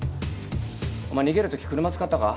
お前逃げるとき車使ったか？